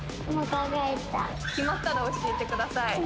決まったら教えてください